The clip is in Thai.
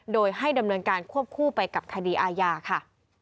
โดยให้ดำเนินการควบคู่ไปกับคดีอาญาค่ะ